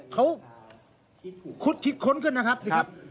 เขาคุดคิดค้นขึ้นนะครับ